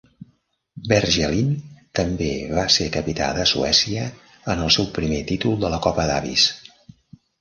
Bergelin també va ser capità de Suècia en el seu primer títol de la Copa Davis.